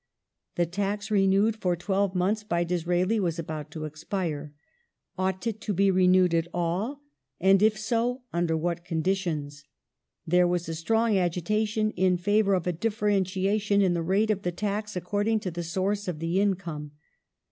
The tax renewed for twelve months by Disraeli was about to expire. Ought it to be renewed at all, and if so, under what conditions ? There was a strong agitation in favour of a differentiation in the rate of the tax according to the source of the income.